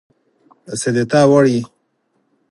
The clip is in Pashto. چي ستا وړ وي